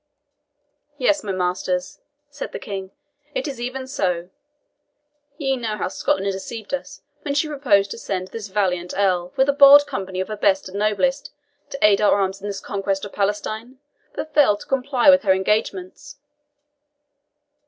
"Yes, my masters," said the King, "it is even so. Ye know how Scotland deceived us when she proposed to send this valiant Earl, with a bold company of her best and noblest, to aid our arms in this conquest of Palestine, but failed to comply with her engagements.